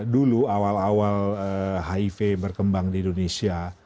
dulu awal awal hiv berkembang di indonesia